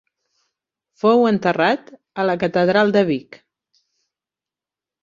Fou enterrat a la catedral de Vic.